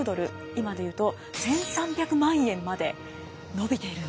今で言うと１，３００万円まで伸びているんです。